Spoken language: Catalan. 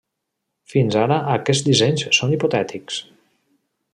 Fins ara aquests dissenys són hipotètics.